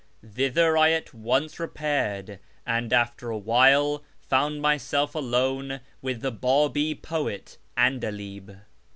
Thither I at once re paired, and, after a while, found myself alone with the Babi poet 'Andalib.